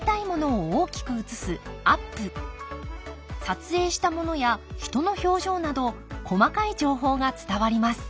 撮影したものや人の表情など細かい情報が伝わります。